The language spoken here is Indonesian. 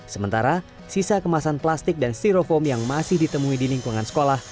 sementara sisa kemasan plastik dan styrofoam yang masih ditemui di lingkungan sekolah